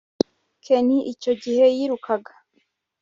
ken icyo gihe yirukaga